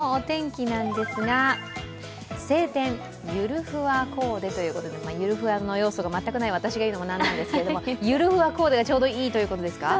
明日のお天気なんですが晴天、ゆるふわコーデということでゆるふわの要素が全くない私が言うのもなんですけどゆるふわコーデがちょうどいいということですか？